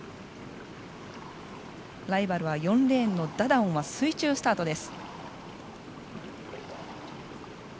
ライバルの４レーンのダダオンは水中スタートです。